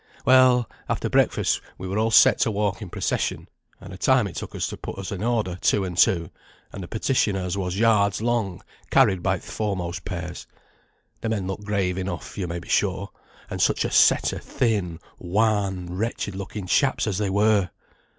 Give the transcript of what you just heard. Well, after breakfast, we were all set to walk in procession, and a time it took to put us in order, two and two, and the petition as was yards long, carried by th' foremost pairs. The men looked grave enough, yo may be sure; and such a set of thin, wan, wretched looking chaps as they were!"